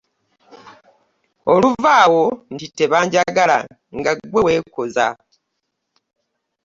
Oluva awo nti tebanjagala nga ggwe weekoza!